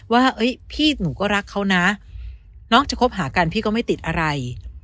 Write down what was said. ว่าพี่หนูก็รักเขานะน้องจะคบหากันพี่ก็ไม่ติดอะไร